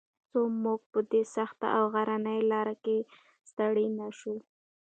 څو موږ په دې سخته او غرنۍ لاره کې ستړي نه شو.